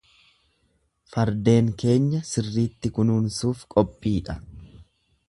Fardeen keenya sirriitti kunuunsuuf qophiidha.